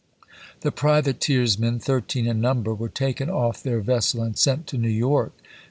The privateersmen, thirteen in number, were taken off their vessel and sent to New York.